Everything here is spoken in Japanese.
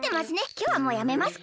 きょうはもうやめますか。